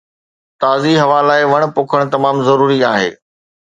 تازي هوا لاءِ وڻ پوکڻ تمام ضروري آهي.